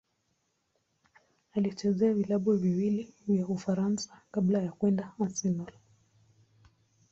Alichezea vilabu viwili vya Ufaransa kabla ya kwenda Arsenal.